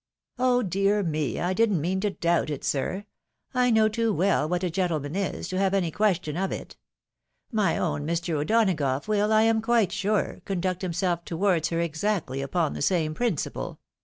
" Oh ! dear me ! I did'nt mean to doubt it, sir — I know too well what a gentleman is, to have any question of it. My own Mr. O'Donagough will, I am quite sure, conduct himself to wards her exactly upon the same principle.